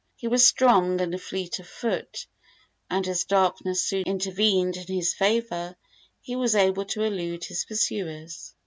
He was strong and fleet of foot, and, as darkness soon intervened in his favor, he was able to elude his pursuers.